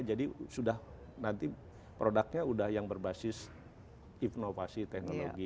jadi sudah nanti produknya udah yang berbasis inovasi teknologi